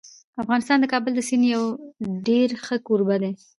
افغانستان د کابل د سیند یو ډېر ښه کوربه دی.